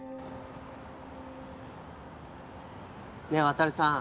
ねえ渉さん。